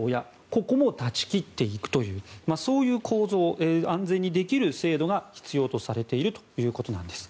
ここも断ち切っていくというそういう構造を安全にできる制度が必要とされているということです。